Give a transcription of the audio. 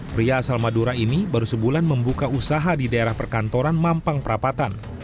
pria asal madura ini baru sebulan membuka usaha di daerah perkantoran mampang perapatan